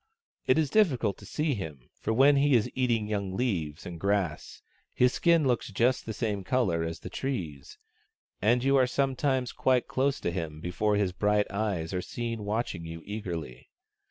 It is difficult to see him, for when he is eating young leaves and grass his skin looks just the same colour as the trees, and you are sometimes quite close to him before his bright eyes are seen watching you eagerly.